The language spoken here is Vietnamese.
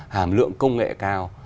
hàm lượng công nghệ cao